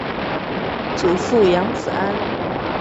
祖父杨子安。